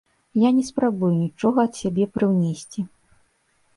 Я не спрабую нічога ад сябе прыўнесці.